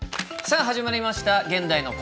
さあ始まりました「現代の国語」。